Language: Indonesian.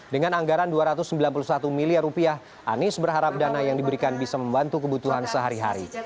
dengan anggaran dua ratus sembilan puluh satu miliar anies berharap dana yang diberikan bisa membantu kebutuhan sehari hari